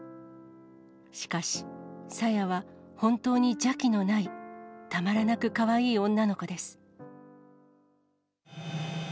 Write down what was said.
しかし、さやは本当に邪気のない、たまらなくかわいい女の子です。